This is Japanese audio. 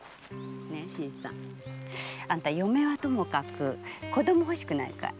新さん嫁はともかく子供ほしくないかい？